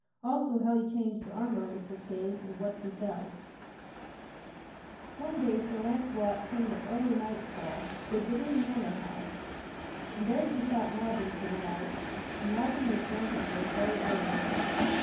Also How He Changed Armor with Sir Kay and what Befell._ One day Sir Launcelot came at early nightfall to a goodly manor house and there he besought lodging for the night, and lodging was granted to him very willingly.